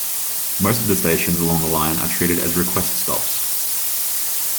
Most of the stations along the line are treated as request stops.